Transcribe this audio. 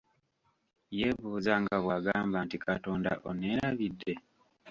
Yeebuuza nga bwagamba nti katonda onneerabidde?